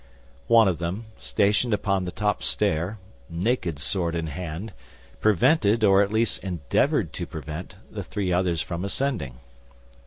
One of them, stationed upon the top stair, naked sword in hand, prevented, or at least endeavored to prevent, the three others from ascending.